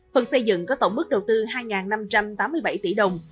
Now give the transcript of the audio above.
phần xây dựng có tổng mức đầu tư hai năm trăm tám mươi bảy tỷ đồng